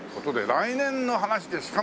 来年の話ですか？